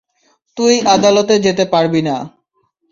তুই আদালতে যেতে পারবি না।